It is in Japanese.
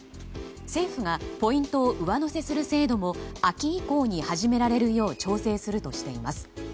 政府がポイントを上乗せする制度も秋以降に始められるよう調整するとしています。